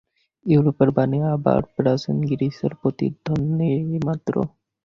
ইউরোপের বাণী আবার প্রাচীন গ্রীসের প্রতিধ্বনিমাত্র।